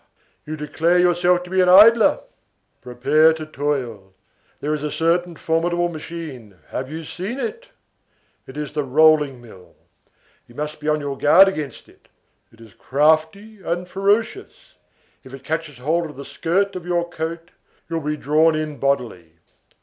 You declare yourself to be an idler! prepare to toil. There is a certain formidable machine, have you seen it? It is the rolling mill. You must be on your guard against it, it is crafty and ferocious; if it catches hold of the skirt of your coat, you will be drawn in bodily.